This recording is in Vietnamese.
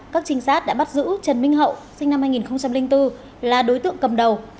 các trinh sát đã bắt giữ trần minh hậu sinh năm hai nghìn bốn là đối tượng cầm đầu